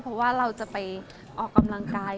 เพราะว่าเราจะไปออกกำลังกาย